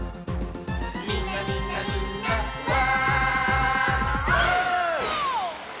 「みんなみんなみんなわお！」